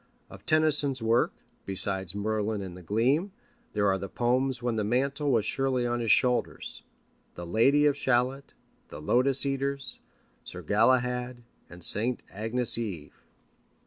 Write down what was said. Of Tennyson's work, besides Merlin and the Gleam, there are the poems when the mantle was surely on his shoulders: The Lady of Shalott, The Lotus Eaters, Sir Galahad, and St. Agnes' Eve.